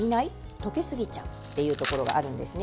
溶けすぎちゃうっていうところがあるんですね。